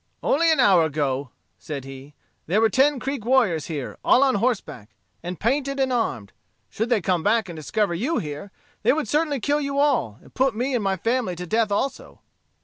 "Only an hour ago," said he, "there were ten Creek warriors here, all on horseback, and painted and armed. Should they come back and discover you here, they would certainly kill you all, and put me and my family to death also."